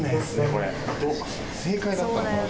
これ正解だったのかな